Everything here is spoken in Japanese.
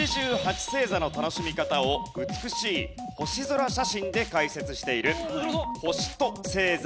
星座の楽しみ方を美しい星空写真で解説している『星と星座』